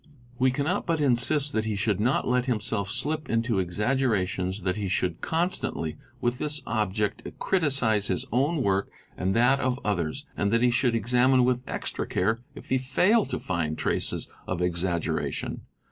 We PRECONCEIVED THEORIES 17 cannot but insist that he should not let himself slip into exaggerations 'that he should constantly with this object criticise his own work and that of others; and that he should examine with extra care if he fail to find traces of exaggeration.